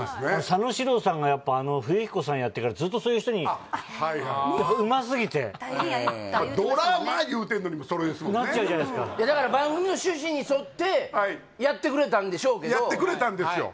佐野史郎さんがやっぱあの冬彦さんやってからずっとそういう人にうますぎてドラマ言うてんのにそれですもんねだから番組の趣旨に沿ってやってくれたんでしょうけどやってくれたんですよ